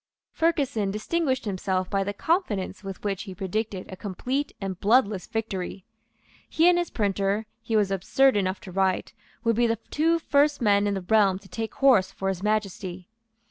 Ferguson distinguished himself by the confidence with which he predicted a complete and bloodless victory. He and his printer, he was absurd enough to write, would be the two first men in the realm to take horse for His Majesty.